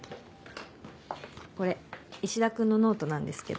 これ石田君のノートなんですけど。